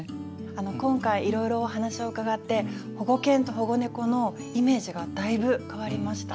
今回いろいろお話を伺って保護犬と保護猫のイメージがだいぶ変わりました。